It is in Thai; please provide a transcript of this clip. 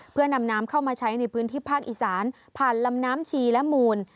เพื่อนำน้ำเข้ามาใช้ในพื้นที่ภาคอีสานผ่านลำน้ำชีและมูล